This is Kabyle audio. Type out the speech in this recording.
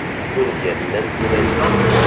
ungalen-a n tmaziɣt